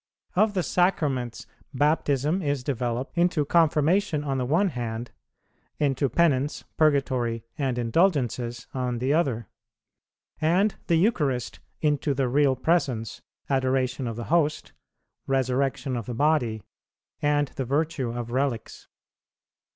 Of the Sacraments, Baptism is developed into Confirmation on the one hand; into Penance, Purgatory, and Indulgences on the other; and the Eucharist into the Real Presence, adoration of the Host, Resurrection of the body, and the virtue of relics.